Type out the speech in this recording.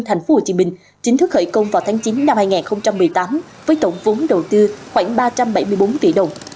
tp hcm chính thức khởi công vào tháng chín năm hai nghìn một mươi tám với tổng vốn đầu tư khoảng ba trăm bảy mươi bốn tỷ đồng